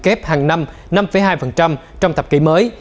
kép hàng năm năm hai trong thập kỷ mới